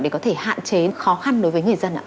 để có thể hạn chế khó khăn đối với người dân ạ